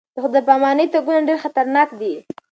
بې خدای پاماني تګونه ډېر خطرناک دي.